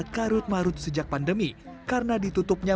dia sudah karut marut sejak pandemi karena ditutupnya